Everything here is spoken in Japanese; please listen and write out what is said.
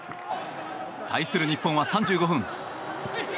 対する日本は３５分。